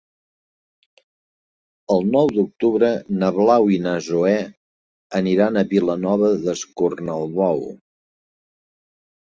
El nou d'octubre na Blau i na Zoè aniran a Vilanova d'Escornalbou.